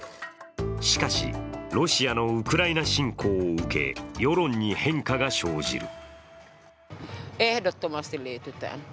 しかし、ロシアのウクライナ侵攻を受け、世論に変化が生じる。